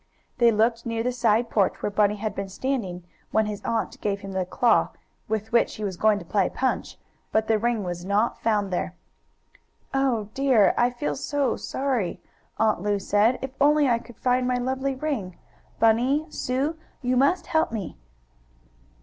They looked near the side porch where Bunny had been standing when his aunt gave him the claw with which he was going to play Punch, but the ring was not found there. "Oh dear! I feel so sorry!" Aunt Lu said, "If only I could find my lovely ring. Bunny Sue, you must help me.